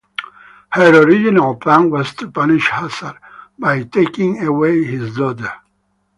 Her original plan was to punish Hazar by taking away his daughter.